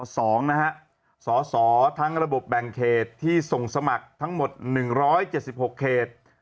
นะฮะสอสอทั้งระบบแบ่งเขตที่ส่งสมัครทั้งหมด๑๗๖เขต